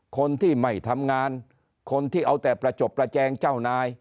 คนที่ไม่ทำงานคนที่เอาแต่ประจบประแจงเจ้านาย